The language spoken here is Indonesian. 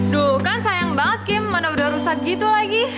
duh kan sayang banget kim mana udah rusak gitu lagi